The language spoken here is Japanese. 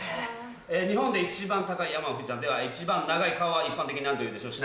「日本で一番高い山は富士山では一番長い川は一般的に何というでしょう？」